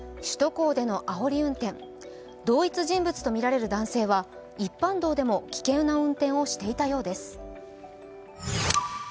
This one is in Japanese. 首都高でのあおり運転、同一人物とみられる男性は一般道でも危険な運転をしていたようです。